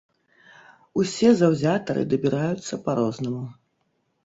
Усе заўзятары дабіраюцца па рознаму.